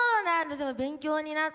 でも勉強になった。